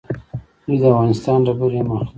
دوی د افغانستان ډبرې هم اخلي.